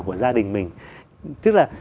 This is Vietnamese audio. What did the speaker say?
của gia đình mình